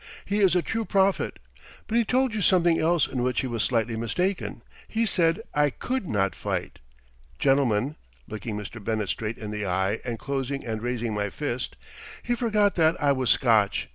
He is a true prophet. But he told you something else in which he was slightly mistaken. He said I could not fight. Gentlemen," looking Mr. Bennett straight in the eye and closing and raising my fist, "he forgot that I was Scotch.